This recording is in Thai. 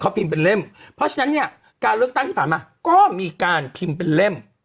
พิมพ์เป็นเล่มเพราะฉะนั้นเนี่ยการเลือกตั้งที่ผ่านมาก็มีการพิมพ์เป็นเล่ม